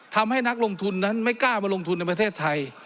นักลงทุนนั้นไม่กล้ามาลงทุนในประเทศไทย